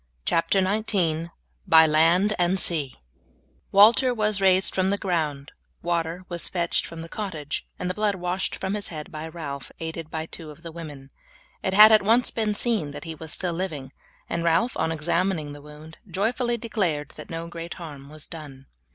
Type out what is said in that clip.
CHAPTER XIX: BY LAND AND SEA Walter was raised from the ground, water was fetched from the cottage, and the blood washed from his head by Ralph, aided by two of the women. It had at once been seen that he was still living, and Ralph on examining the wound joyfully declared that no great harm was done.